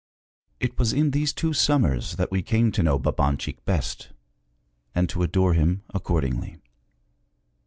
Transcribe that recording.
It was in those two summers that we came to know Babanchik best and to adore him accordingly.